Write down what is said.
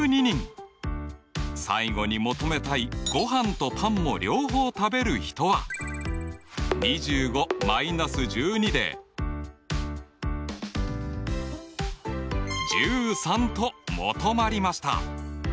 最後に求めたいごはんとパンも両方食べる人は２５−１２で１３と求まりました。